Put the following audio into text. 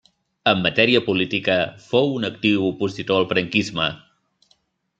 En matèria política, fou un actiu opositor al franquisme.